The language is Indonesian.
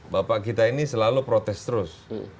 bapak kita ini selalu protes terus